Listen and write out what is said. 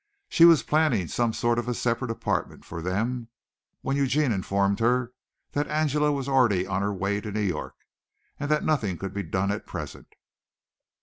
She was planning some sort of a separate apartment for them, when Eugene informed her that Angela was already on her way to New York and that nothing could be done at present.